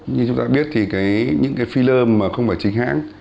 như chúng ta biết thì những cái fil mà không phải chính hãng